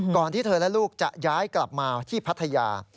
ที่เธอและลูกจะย้ายกลับมาที่พัทยา